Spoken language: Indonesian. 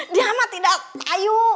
dia mah tidak payu